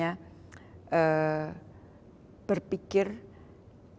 ala hubungan negara itu